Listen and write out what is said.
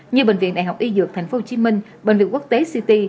như bệnh viện đại học y dược tp hcm bệnh viện quốc tế ct